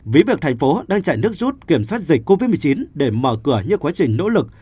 ví việc tp hcm đang chạy nước rút kiểm soát dịch covid một mươi chín để mở cửa những quá trình nỗ lực